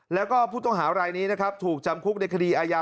แล้วก็ผู้ต้องหารายนี้นะครับถูกจำคุกในคดีอาญา